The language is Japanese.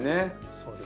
そうですね。